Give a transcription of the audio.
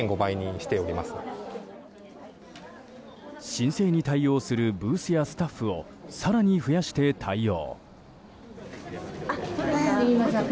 申請に対応するブースやスタッフを更に増やして対応。